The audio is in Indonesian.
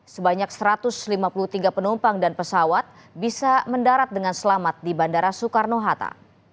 sebanyak satu ratus lima puluh tiga penumpang dan pesawat bisa mendarat dengan selamat di bandara soekarno hatta